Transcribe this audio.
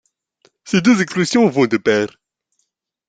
Ces deux expressions vont de pair.